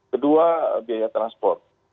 kedua biaya transport